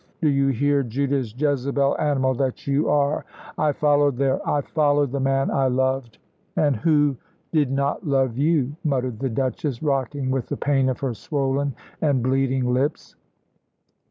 do you hear, Judas, Jezebel, animal that you are! I followed there; I followed the man I loved " "And who did not love you," muttered the Duchess, rocking with the pain of her swollen and bleeding lips.